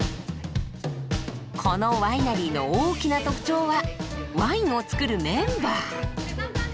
このワイナリーの大きな特徴はワインを造るメンバー。